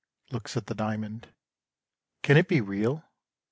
(Looks at the diamond.) Can it be real?